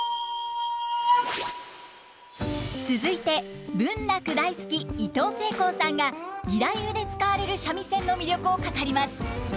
続いて文楽大好きいとうせいこうさんが義太夫で使われる三味線の魅力を語ります。